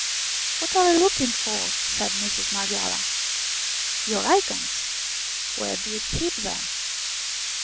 " What are you looking for ?" said Mistress Marghioala. " Your Icons. Where do you keep them